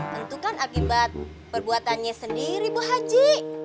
tentu kan akibat perbuatannya sendiri bu haji